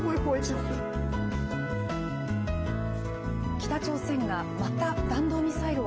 北朝鮮がまた弾道ミサイルを。